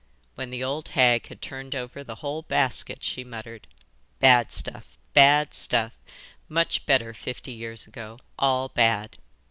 When the old hag had turned over the whole basket she muttered, 'Bad stuff, bad stuff; much better fifty years ago all bad.